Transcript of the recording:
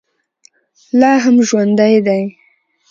لا هم ژوندی دی.